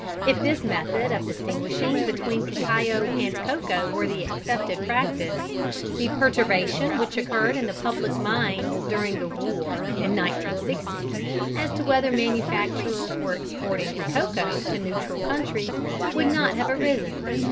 If this method of distinguishing between cacao and cocoa were the accepted practice, the perturbation which occurred in the public mind during the war (in 1916), as to whether manufacturers were exporting "cocoa" to neutral countries, would not have arisen.